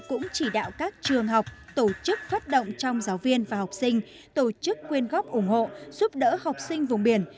cũng chỉ đạo các trường học tổ chức phát động trong giáo viên và học sinh tổ chức quyên góp ủng hộ giúp đỡ học sinh vùng biển